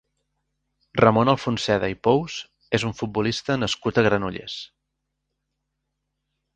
Ramon Alfonseda i Pous és un futbolista nascut a Granollers.